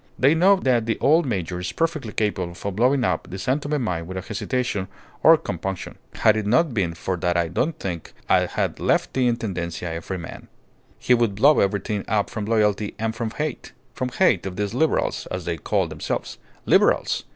They know that the old major is perfectly capable of blowing up the San Tome mine without hesitation or compunction. Had it not been for that I don't think I'd have left the Intendencia a free man. He would blow everything up from loyalty and from hate from hate of these Liberals, as they call themselves. Liberals!